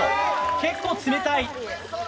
結構冷たい。